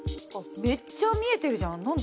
めっちゃ見えてるじゃん。